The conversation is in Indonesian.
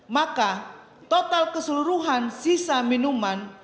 maka total keseluruhan sisa minuman